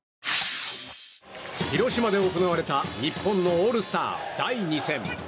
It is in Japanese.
広島で行われた日本のオールスター第２戦。